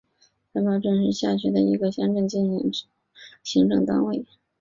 覃巴镇是下辖的一个乡镇级行政单位。